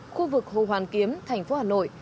khu vực hồ hàn kiếm thành phố hà nội